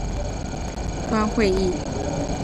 但最终相关法律的认定是司法院大法官会议。